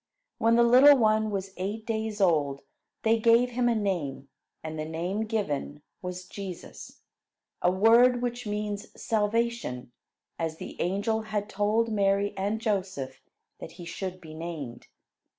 When the little one was eight days old, they gave him a name; and the name given was "Jesus," a word which means "salvation," as the angel had told both Mary and Joseph that he should be named.